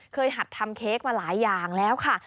หัดทำเค้กมาหลายอย่างแล้วค่ะ